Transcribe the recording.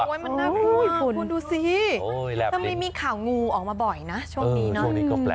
โอ้ยมันน่ากลัวดูสิตรงนี้มีข่าวงูออกมาบ่อยนะช่วงนี้นะ